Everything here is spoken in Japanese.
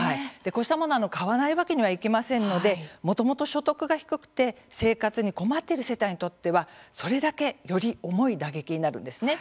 こうしたものは買わないわけにはいきませんのでもともと所得が低くて生活に困っている世帯にとってはそれだけより重い打撃になるんですね。